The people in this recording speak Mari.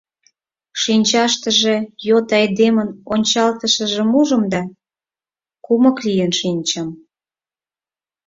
Шинчаштыже йот айдемын ончалтышыжым ужым да кумык лийын шинчым.